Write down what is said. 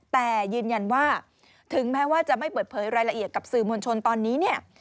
แต่ยืนยันว่าถึงแม้ว่าจะไม่เปิดเผยรายละเอียดกับสื่อมวลชนตอนนี้เนี่ย